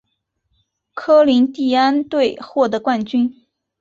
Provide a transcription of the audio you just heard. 科林蒂安队获得冠军。